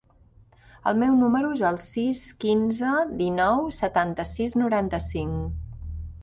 El meu número es el sis, quinze, dinou, setanta-sis, noranta-cinc.